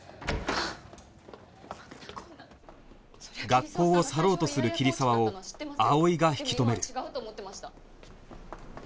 学校を去ろうとする桐沢を葵が引き留める